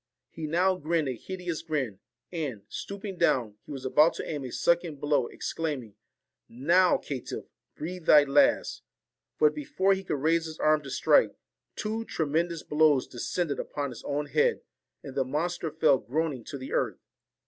He now grinned a hideous grin, and, stooping down, he was about to aim a second blow, exclaiming, * Now, caitiff, breathe thy last.' But before he could raise his arm to strike, two tremendous blows descended upon his own head, and the monster fell groaning to the earth.